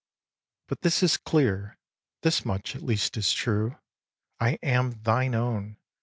xx. But this is clear; this much at least is true: I am thine own!